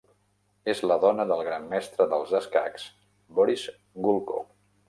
És la dona del gran mestre dels escacs Boris Gulko.